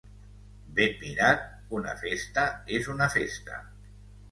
Ben mirat, una festa és una festa.